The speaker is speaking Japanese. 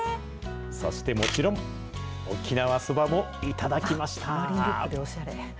そしてもちろん、沖縄そばも頂きました。